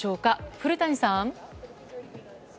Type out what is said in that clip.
古谷さん。